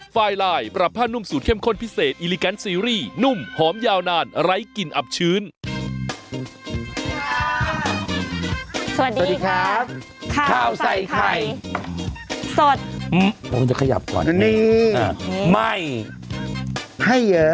สวัสดีครับข้าวใส่ไข่สดมันจะขยับก่อนอันนี้ไหมให้เยอะ